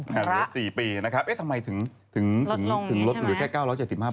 เหลือ๔ปีนะครับเอ๊ะทำไมถึงลดเหลือแค่๙๗๕บาท